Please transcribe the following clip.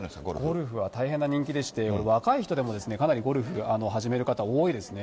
ゴルフは大変な人気でして、若い人でもかなりゴルフ始める方、多いですね。